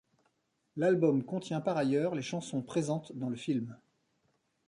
L'album contient par ailleurs les chansons présentes dans le film.